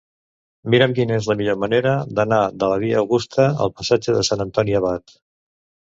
Mira'm quina és la millor manera d'anar de la via Augusta al passatge de Sant Antoni Abat.